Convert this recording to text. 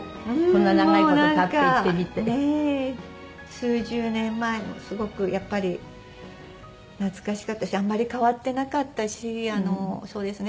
数十年前のすごくやっぱり懐かしかったしあんまり変わってなかったしそうですね。